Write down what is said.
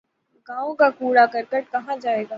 گاؤں کا کوڑا کرکٹ کہاں جائے گا۔